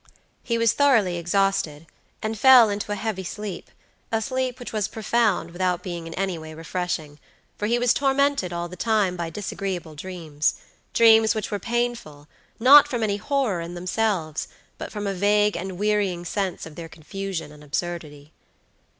He was thoroughly exhausted, and fell into a heavy sleepa sleep which was profound without being in any way refreshing, for he was tormented all the time by disagreeable dreamsdreams which were painful, not from any horror in themselves, but from a vague and wearying sense of their confusion and absurdity.